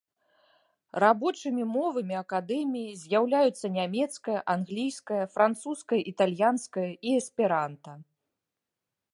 Рабочымі мовамі акадэміі з'яўляюцца нямецкая, англійская, французская, італьянская і эсперанта.